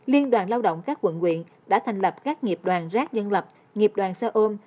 liên đoàn lao động các quận quyện đã thành lập các nghiệp đoàn rác dân lập nghiệp đoàn xe ôm